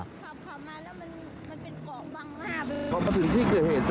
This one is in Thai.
คับขับมาแล้วมันเป็นเกาะมามันเหมือนแบบคับขับมาแล้วมัน